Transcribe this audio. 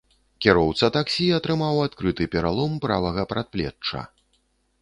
Кіроўца таксі атрымаў адкрыты пералом правага перадплечча.